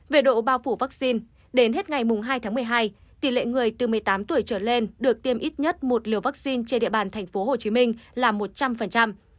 về độ bao phủ vaccine đến hết ngày hai tháng một mươi hai tỷ lệ người từ một mươi tám tuổi trở lên được tiêm ít nhất một liều vaccine trên địa bàn thành phố hồ chí minh là một trăm linh